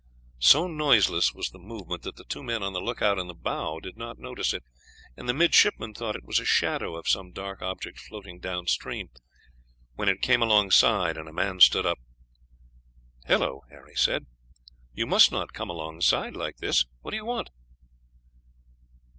So noiseless was the movement that the two men on the lookout in the bow did not notice it, and the midshipmen thought it was a shadow of some dark object floating down stream, when it came alongside and a man stood up. "Hello!" Harry said, "you must not come alongside like this: what do you want?"